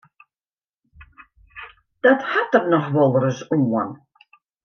Dat hat der noch wolris oan.